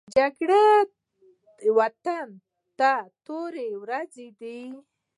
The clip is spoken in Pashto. جګړه وطن ته توره ورځ ده